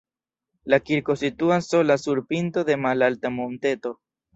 La kirko situas sola sur pinto de malalta monteto.